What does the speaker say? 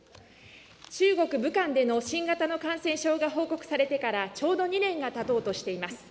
中国・武漢での新型の感染症が報告されてからちょうど２年がたとうとしています。